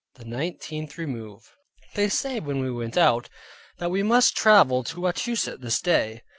THE NINETEENTH REMOVE They said, when we went out, that we must travel to Wachusett this day.